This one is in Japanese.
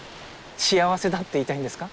幸せだって言いたいんですか？